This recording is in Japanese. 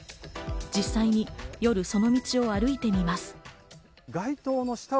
実際にその夜、道を歩いてみました。